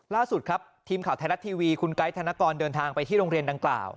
ล่าสุดครับทีมข่าวธรรมดิ์คุณไกล์ฑธนาคอนเดินทางไปที่โรงเรียนดังเปล่า